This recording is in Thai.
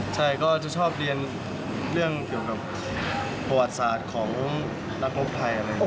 ใช่ก็จะชอบเรียนเรื่องเกี่ยวกับประวัติศาสตร์ของนักรบไทยอะไรอย่างนี้